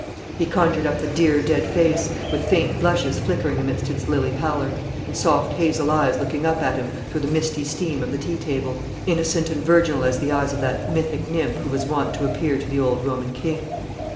He conjured up the dear dead face, with faint blushes flickering amidst its lily pallor, and soft hazel eyes looking up at him through the misty steam of the tea table, innocent and virginal as the eyes of that mythic nymph who was wont to appear to the old Roman king.